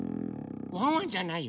ワンワンじゃないよ。